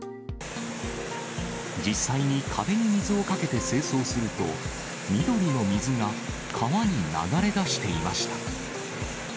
実際に壁に水をかけて清掃すると、緑の水が川に流れ出していました。